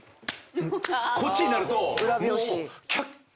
こっちになるともう。